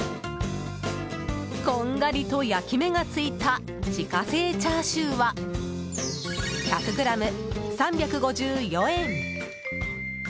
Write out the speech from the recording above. こんがりと焼き目がついた自家製焼豚は１００ｇ３５４円。